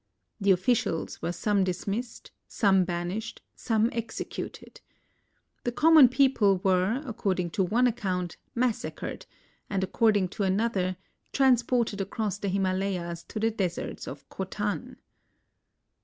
The officials were some dismissed, some banished, some executed. The common people were, according to one account, massacred, and. ac cording to another, transported across the Himalayas to the deserts of Kiotan.